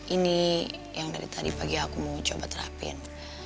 ini yang dari tadi pagi aku mau coba terapin